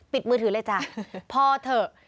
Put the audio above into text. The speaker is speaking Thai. มือถือเลยจ้ะพอเถอะ